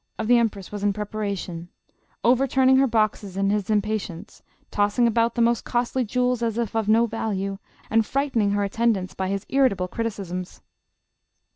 of the empress was in preparation, overturning her boxes in his impatience, tossing about the most costly jewels as if of no value, and frightening her attendants by his irritable criticisms.